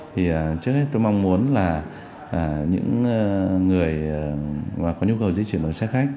thì trước hết tôi mong muốn là những người mà có nhu cầu di chuyển bằng xe khách